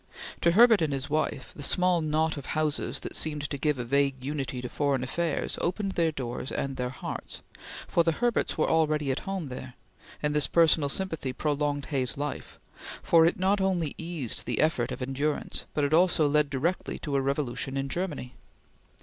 To Herbert and his wife, the small knot of houses that seemed to give a vague unity to foreign affairs opened their doors and their hearts, for the Herberts were already at home there; and this personal sympathy prolonged Hay's life, for it not only eased the effort of endurance, but it also led directly to a revolution in Germany.